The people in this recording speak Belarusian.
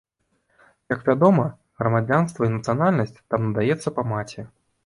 Як вядома, грамадзянства і нацыянальнасць там надаецца па маці.